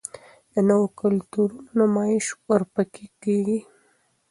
د نورو کلتورونو نمائش ورپکښې کـــــــــــــــــېږي